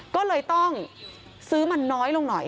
ก็เลยต้องซื้อมันน้อยลงหน่อย